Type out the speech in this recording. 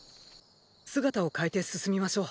姿を変えて進みましょう。